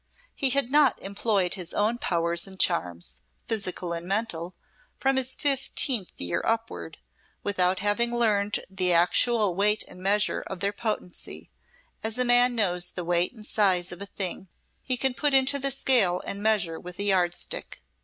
He had not employed his own powers and charms, physical and mental, from his fifteenth year upward, without having learned the actual weight and measure of their potency, as a man knows the weight and size of a thing he can put into scales and measure with a yardstick.